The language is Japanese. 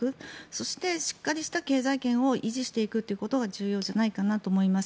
そして、しっかりした経済圏を維持していくということが重要じゃないかなと思います。